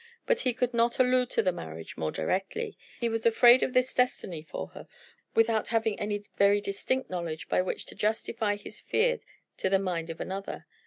But he could not allude to the marriage more directly. He was afraid of this destiny for her, without having any very distinct knowledge by which to justify his fear to the mind of another.